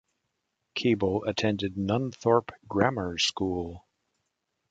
Cable attended Nunthorpe Grammar School.